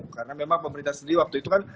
karena memang pemerintah sendiri waktu itu kan